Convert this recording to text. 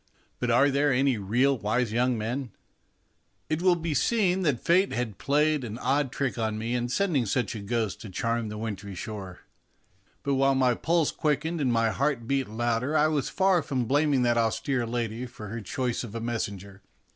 But are there any really wise young men? 138 MONOLOGUES It will be seen that Fate had played an odd trick on me in sending such a ghost to to charm the wintry shore ; but while my pulse quickened and my heart beat louder I was far from blaming that austere lady for her choice of a messenger.